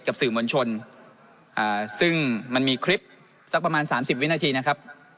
กับสื่อมวลชนซึ่งมันมีคลิปสักประมาณสามสิบวินาทีนะครับ